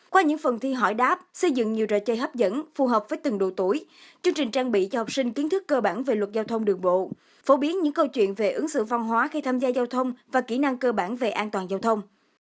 qua những phần thi hỏi đáp xây dựng nhiều trò chơi hấp dẫn phù hợp với từng độ tuổi chương trình trang bị cho học sinh kiến thức cơ bản về luật giao thông đường bộ phổ biến những câu chuyện về ứng xử văn hóa khi tham gia giao thông và kỹ năng cơ bản về an toàn giao thông